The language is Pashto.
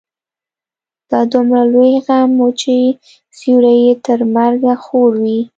دا دومره لوی غم و چې سيوری يې تر مرګه خور وي.